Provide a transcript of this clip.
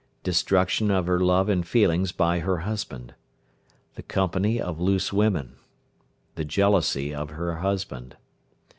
Destruction of her love and feelings by her husband. The company of loose women. The jealousy of her husband.